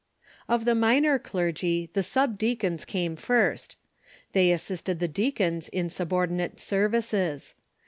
Of the minor clergy the subdeacons came first. They assisted the deacons in subordinate services.